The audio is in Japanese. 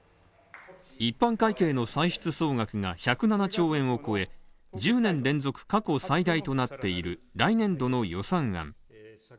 一般会計の歳出総額が１０７兆円を超え１０年連続過去最大となっている来年度の予算案。